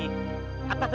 di penjara pak gi